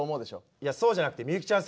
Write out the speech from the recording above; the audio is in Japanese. いやそうじゃなくてミユキちゃん